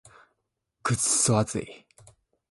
クソ暑い。